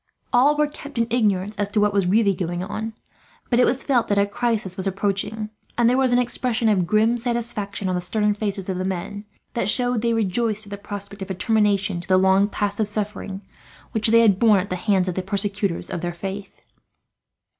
All were kept in ignorance as to what was really going on; but it was felt that a crisis was approaching, and there was an expression of grim satisfaction on the stern faces of the men, that showed they rejoiced at the prospect of a termination to the long passive suffering, which they had borne at the hands of the persecutors of their faith.